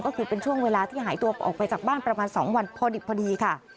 ก็คือเป็นช่วงเวลาที่หายตัวออกไปจากบ้านประมาณ๒วันพอดิบพอดีค่ะ